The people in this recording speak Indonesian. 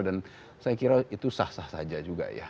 dan saya kira itu sah sah saja juga ya